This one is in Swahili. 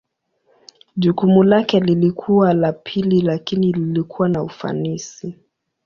Jukumu lake lilikuwa la pili lakini lilikuwa na ufanisi.